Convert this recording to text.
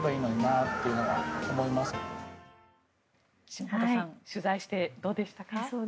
島本さん取材してどうでしたか？